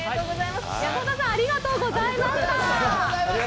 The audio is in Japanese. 山田さん、ありがとうございました。